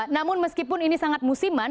namun meskipun ini sangat musiman